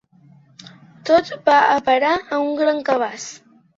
Tot va a parar a un gran cabàs.